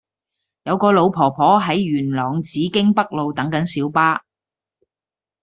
有個老婆婆喺元朗紫荊北路等緊小巴